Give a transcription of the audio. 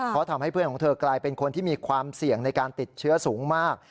เพราะทำให้เพื่อนของเธอกลายเป็นคนที่มีความเสี่ยงในการติดเชื้อสูงมาก